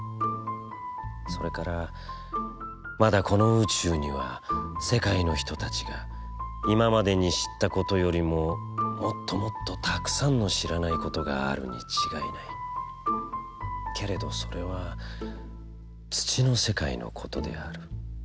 それからまだこの宇宙には世界の人達が今迄に知つた事よりももつともつと沢山の知らない事があるに違ない、けれどそれは土の世界のことである。